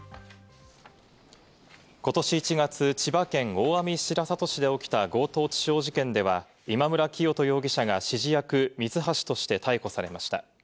ことし１月、千葉県大網白里市で起きた強盗致傷事件では、今村磨人容疑者が指示役・ミツハシとして逮捕されました。